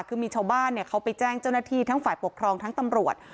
คือมีชาวบ้านเขาไปแจ้งเจ้าหน้าที่ทั้งฝ่ายปกครองทั้งตำรวจ